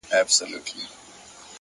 د زړه سکون له روښانه وجدان راټوکېږي؛